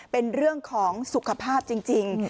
เป็นเรื่องของสุขภาพจริง